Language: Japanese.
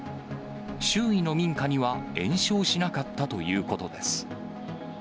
周囲の民家には延焼しなかったということです。